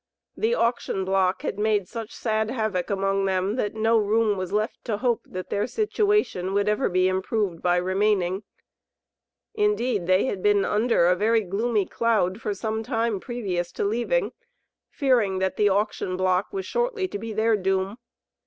The auction block had made such sad havoc among them, that no room was left to hope, that their situation would ever be improved by remaining. Indeed they had been under a very gloomy cloud for some time previous to leaving, fearing that the auction block was shortly to be their doom.